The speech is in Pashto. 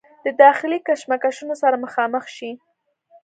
د داخلي کشمکشونو سره مخامخ شي